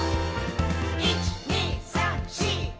「１．２．３．４．５．」